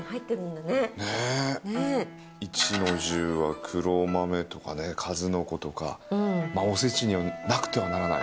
壱の重は黒豆とかね数の子とかまぁおせちにはなくてはならない。